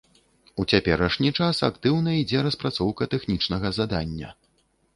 У цяперашні час актыўна ідзе распрацоўка тэхнічнага задання.